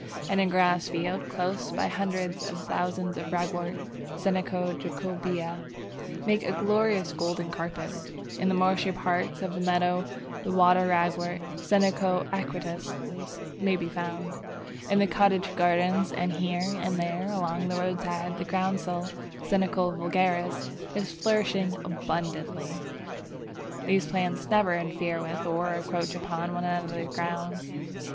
In a grass field close by hundreds of thousands of Ragwort (Senecio jacobæa) make a glorious golden carpet; in the marshy part of the meadow the Water Ragwort (Senecio aquaticus) may be found. In the cottage gardens and here and there along the roadside the groundsel (Senecio vulgaris) is flourishing abundantly. These plants never interfere with or encroach upon one another's grounds.